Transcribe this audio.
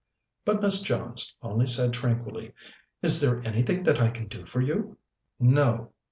But Miss Jones only said tranquilly: "Is there anything that I can do for you?" "No.